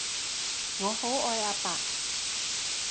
我好愛阿爸